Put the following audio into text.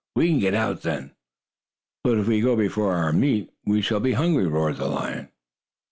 We can get out then." "But if we go before we get our meat, we shall be hungry," roared the lion.